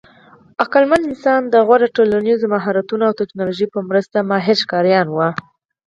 عقلمن انسان د غوره ټولنیزو مهارتونو او ټېکنالوژۍ په مرسته ماهر ښکاریان وو.